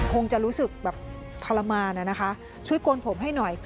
คงจะรู้สึกแบบทรมานนะคะช่วยโกนผมให้หน่อย